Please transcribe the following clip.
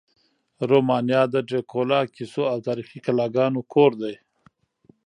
رومانیا د ډرکولا کیسو او تاریخي قلاګانو کور دی.